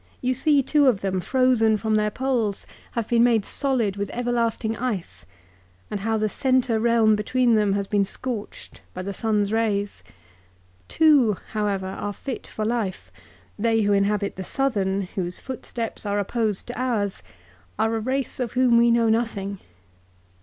You see two of them, frozen from their poles, have been made solid with everlasting ice ; and how the centre realm between them has been scorched by the sun's rays. Two, however, are fit for life. They who inhabit the southern, whose footsteps are opposed to ours, are a race of whom we know nothing.